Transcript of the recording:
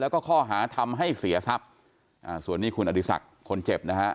แล้วก็ข้อหาทำให้เสียทรัพย์อ่าส่วนนี้คุณอดีศักดิ์คนเจ็บนะฮะ